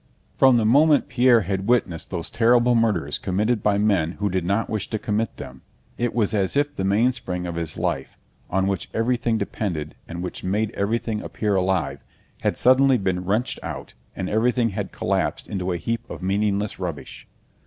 From the moment Pierre had witnessed those terrible murders committed by men who did not wish to commit them, it was as if the mainspring of his life, on which everything depended and which made everything appear alive, had suddenly been wrenched out and everything had collapsed into a heap of meaningless rubbish.